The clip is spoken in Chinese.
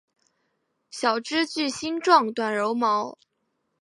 小枝具星状短柔毛。